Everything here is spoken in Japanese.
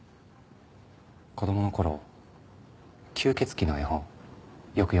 子供の頃吸血鬼の絵本よく読んでくれたよね。